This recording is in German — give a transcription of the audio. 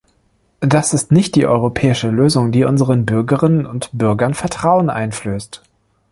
Das ist nicht die europäische Lösung, die unseren Bürgerinnen und Bürgern Vertrauen einflößt.